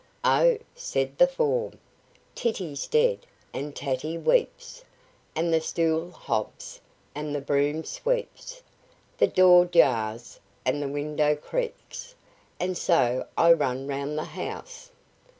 "Oh!" said the form, "Titty's dead, and Tatty weeps, and the stool hops, and the broom sweeps, the door jars, and the window creaks, and so I run round the house."